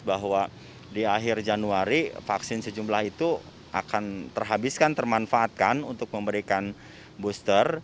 bahwa di akhir januari vaksin sejumlah itu akan terhabiskan termanfaatkan untuk memberikan booster